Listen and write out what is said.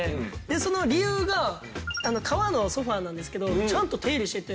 その理由が革のソファなんですけどちゃんと手入れしてて。